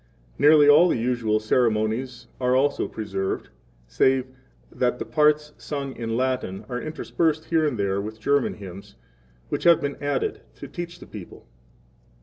Nearly all the usual ceremonies are also preserved, save that the parts sung in Latin are interspersed here and there with German hymns, which have been added 3 to teach the people.